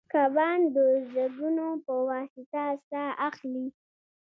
کبان د زګونو په واسطه ساه اخلي